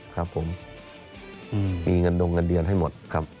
ครับผมมีเงินดงเงินเดือนให้หมดครับ